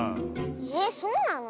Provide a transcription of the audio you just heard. えっそうなの？